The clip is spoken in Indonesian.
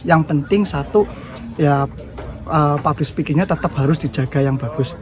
yang penting satu ya public speakingnya tetap harus dijaga yang bagus